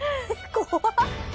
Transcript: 怖っ！